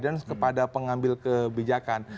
sebuah guidance kepada pengambil kebijakan